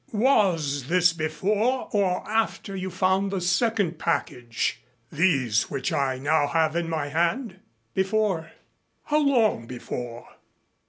"Was this before or after you found the second package these which I now have in my hand?" "Before." "How long before?"